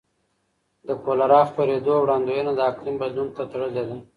د کولرا خپرېدو وړاندوینه د اقلیم بدلون ته تړلې ده.